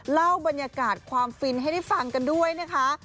เล่าบรรยากาศความฟินให้ได้ฟังกันด้วยนะคะ